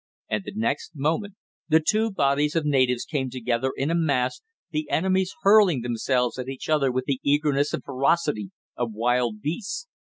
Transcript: And the next moment the two bodies of natives came together in a mass, the enemies hurling themselves at each other with the eagerness and ferocity of wild beasts.